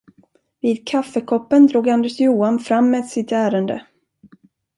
Vid kaffekoppen drog Anders Johan fram med sitt ärende.